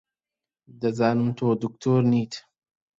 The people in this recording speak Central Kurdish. دەزانم تۆ دکتۆر نیت.